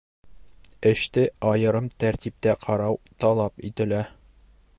Эште айырым тәртиптә ҡарау талап ителә.